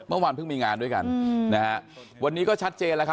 เมื่อวานเพิ่งมีงานด้วยกันนะฮะวันนี้ก็ชัดเจนแล้วครับ